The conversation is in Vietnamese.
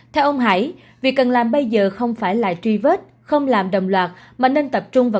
theo ông hải việc cần làm bây giờ không phải là truy vết không làm đồng loạt mà nên tập trung vào